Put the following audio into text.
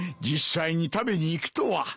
実際に食べに行くとは。